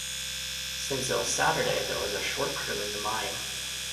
Since it was a Saturday, there was a short crew in the mine.